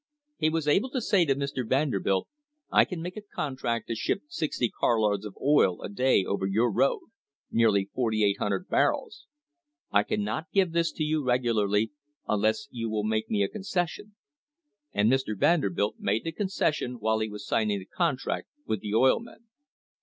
He was able to say to Mr. Vanderbilt, I can make a contract to ship sixty car loads of oil a day over your road— nearly 4,800 barrels; I cannot give this to you regularly unless you will make me a concession; and Mr. Vanderbilt made the conces sion while he was signing the contract with the oil men.